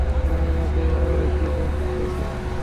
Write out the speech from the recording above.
আরে আমারে কী বলতেসো?